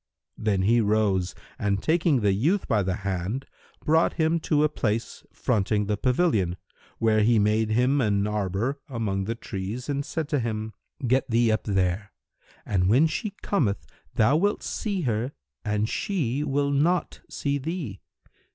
Then he rose and taking the youth by the hand, brought him to a place fronting the pavilion, where he made him an arbour[FN#321] among the trees and said to him, "Get thee up here, and when she cometh thou wilt see her and she will not see thee.